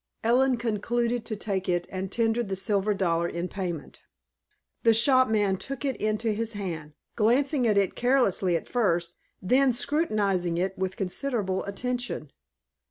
Ellen concluded to take it, and tendered the silver dollar in payment. The shopman took it into his hand, glancing at it carelessly at first, then scrutinizing it with considerable attention.